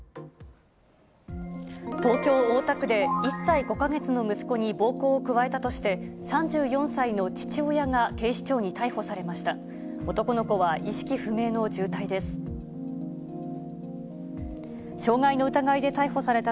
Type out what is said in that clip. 東京・大田区で、１歳５か月の息子に暴行を加えたとして、３４歳の父親が警視庁に逮捕されました。